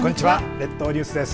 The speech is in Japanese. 列島ニュースです。